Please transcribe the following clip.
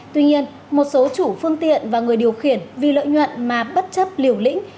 tuy nhiên một số chủ phương tiện và người điều khiển vì lợi nhuận mà bất chấp liều lĩnh